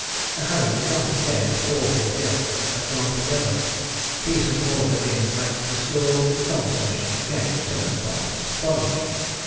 Sir Harry would not have cared if all his guests had gone together. Peace and order being at length restored, the conversation again turned upon Mr. Sponge.